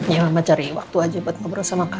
ya mama cari waktu aja buat ngobrol sama kami